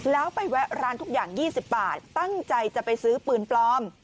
แล้วไปแวะร้านทุกอย่าง๒๐บาทตั้งใจจะไปซื้อปืนปลอม